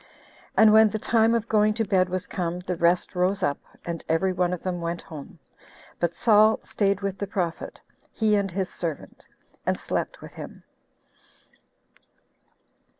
And when the time of going to bed was come, the rest rose up, and every one of them went home; but Saul staid with the prophet, he and his servant, and slept with him.